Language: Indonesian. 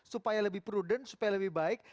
supaya lebih prudent supaya lebih baik